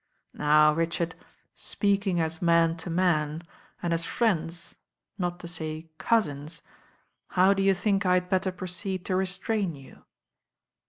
Now, Richard, speaking as man to man, and as friends, not to say cousins, how do you think I had better proceed to restrain you?"